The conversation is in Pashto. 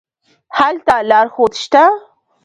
هلته لارښود شته.